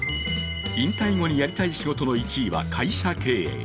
引退後にやりたい仕事の１位は会社経営。